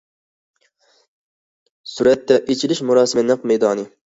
سۈرەتتە ئېچىلىش مۇراسىمى نەق مەيدانى.